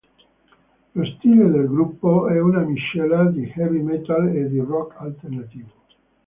Lo stile del gruppo è una miscela di heavy metal e di rock alternativo.